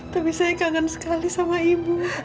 tapi saya kangen sekali sama ibu